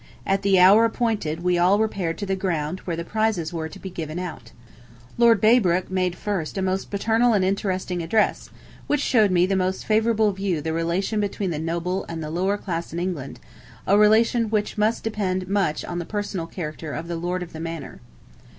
... At the hour appointed we all repaired to the ground where the prizes were to be given out. ... Lord Braybrooke made first a most paternal and interesting address, which showed me in the most favorable view the relation between the noble and the lower class in England, a relation which must depend much on the personal character of the lord of the manor.